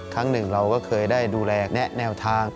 ครั้งหนึ่งเราก็เคยได้ดูแลแนะแนวทาง